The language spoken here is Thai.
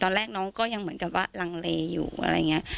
น้องก็ยังเหมือนกับว่าลังเลอยู่อะไรอย่างนี้